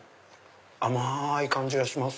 甘い感じがします。